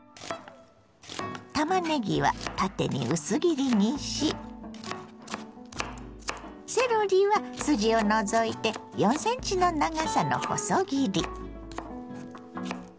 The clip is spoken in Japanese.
たまねぎは縦に薄切りにしセロリは筋を除いて４ｃｍの長さの細切り。